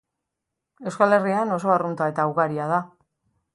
Euskal Herrian oso arrunta eta ugaria da.